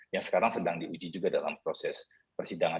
yang sekarang sedang diuji juga dalam proses persidangan